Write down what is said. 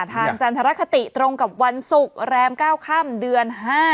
จันทรคติตรงกับวันศุกร์แรม๙ค่ำเดือน๕